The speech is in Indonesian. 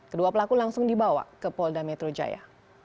kedua pelaku langsung dibawa ke polda metro jaya